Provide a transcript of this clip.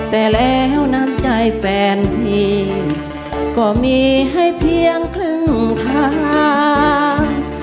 แต่แล้วน้ำใจแฟนพี่ก็มีให้เพียงครึ่งทาง